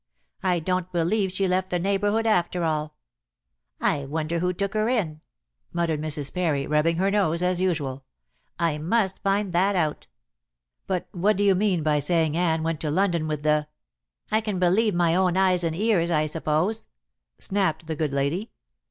I don't believe she left the neighborhood after all. I wonder who took her in," muttered Mrs. Parry, rubbing her nose as usual. "I must find that out." "But what do you mean by saying Anne went to London with the " "I can believe my own eyes and ears, I suppose," snapped the good lady.